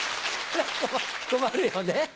困るよね。